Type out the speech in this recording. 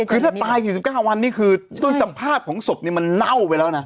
คือถ้าตาย๔๙วันนี้คือด้วยสภาพของศพนี่มันเน่าไปแล้วนะ